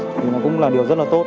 thì nó cũng là điều rất là tốt